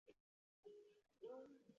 如下图所示。